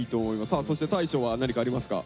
さあそして大昇は何かありますか？